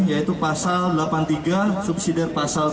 yaitu pasal delapan puluh tiga subsidi pasal tiga puluh